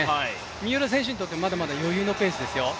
三浦選手にとって、まだまだ余裕のペースですよ。